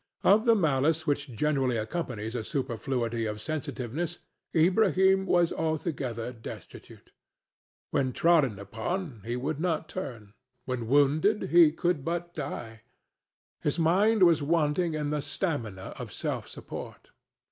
Of the malice which generally accompanies a superfluity of sensitiveness Ilbrahim was altogether destitute. When trodden upon, he would not turn; when wounded, he could but die. His mind was wanting in the stamina of self support.